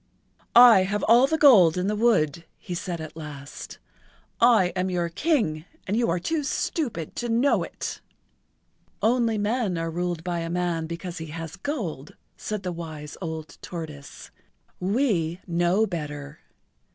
"I have all the gold in the wood," he[Pg 83] said at last. "I am your King and you are too stupid to know it." "Only men are ruled by a man because he has gold," said the wise old tortoise. "We know better.